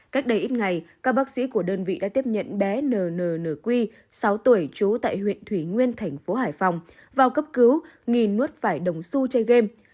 cách đây ít ngày các bác sĩ của đơn vị đã tiếp nhận bé nnn quy sáu tuổi chú tại huyện thủy nguyên thành phố hải phòng vào cấp cứu nghi nuốt phải đồng su chơi game